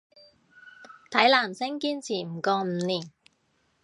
睇男星堅持唔過五年